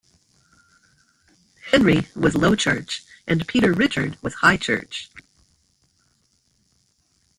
Henry was Low Church and Peter Richard was High Church.